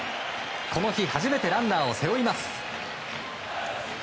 この日初めてランナーを背負います。